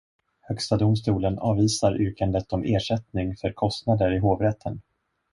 Högsta domstolen avvisar yrkandet om ersättning för kostnader i hovrätten.